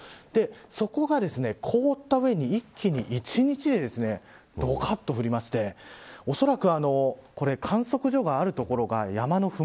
そこが凍ったうえに一気に一日でどかっと降りましておそらく観測所がある所が山の麓